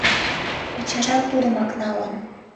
Ачажат тудымак налын.